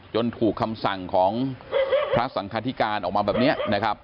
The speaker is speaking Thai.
ถูกคำสั่งของพระสังคาธิการออกมาแบบนี้นะครับ